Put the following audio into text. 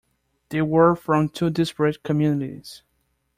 They were from two disparate communities.